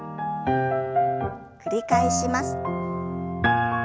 繰り返します。